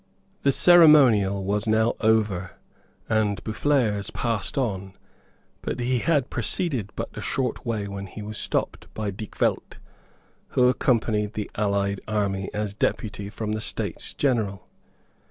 The ceremonial was now over; and Boufflers passed on but he had proceeded but a short way when he was stopped by Dykvelt who accompanied the allied army as deputy from the States General.